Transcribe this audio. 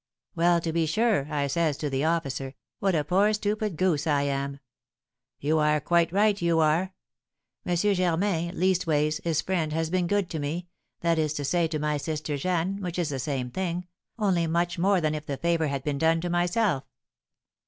"'Well, to be sure!' I says to the officer; 'what a poor stupid goose I am!' 'You are quite right you are!' M. Germain leastways, his friend has been good to me, that is to say to my sister Jeanne, which is the same thing, only much more than if the favour had been done to myself."